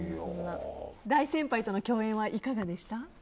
大先輩の共演はいかがでした？